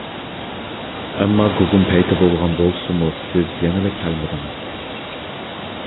ئەمما گۇگۇم پەيتى بولغان بولسىمۇ، سىز يەنىلا كەلمىدىڭىز.